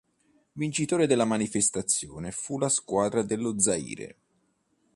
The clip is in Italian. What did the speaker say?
Vincitore della manifestazione fu la squadra dello Zaire.